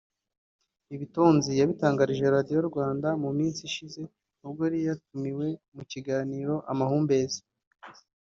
Ibi Tonzi yabitangarije Radiyo Rwanda mu minsi ishize ubwo yari yatumiwe mu kiganiro Amahumbezi